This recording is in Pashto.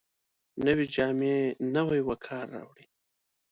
نوې جامې نوی وقار راوړي